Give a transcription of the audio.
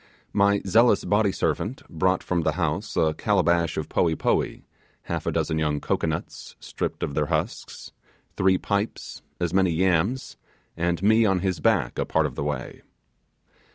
My zealous body servant brought from the house a calabash of poee poee, half a dozen young cocoanuts stripped of their husks three pipes, as many yams, and me on his back a part of the way.